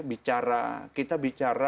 bicara kita bicara